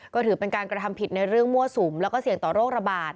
ก็ถือเป็นการกระทำผิดในเรื่องมั่วสุมแล้วก็เสี่ยงต่อโรคระบาด